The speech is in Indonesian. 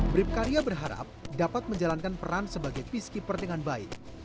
bribka ria berharap dapat menjalankan peran sebagai piskipper dengan baik